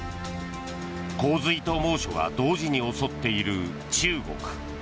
洪水と猛暑が同時に襲っている中国。